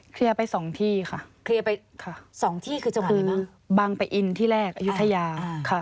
เคลียร์ไป๒ที่ค่ะค่ะคือบางไปอินที่แรกอยุธยาค่ะ